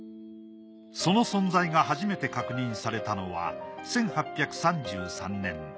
その存在が初めて確認されたのは１８３３年